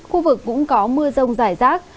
khu vực cũng có mưa rông dài rác